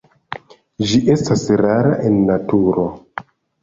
Ĝi estas rara en naturo.